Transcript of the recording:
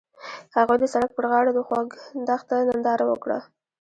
هغوی د سړک پر غاړه د خوږ دښته ننداره وکړه.